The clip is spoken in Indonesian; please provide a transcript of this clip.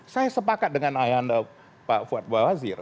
saya sepakat dengan ayah anda pak fuad bawazir